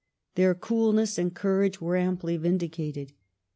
Their coolness and coui age were amply vindicated.